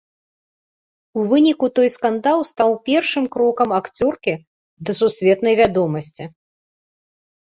У выніку той скандал стаў першым крокам акцёркі да сусветнай вядомасці.